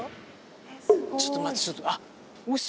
ちょっと待ってちょっと待ってあっ！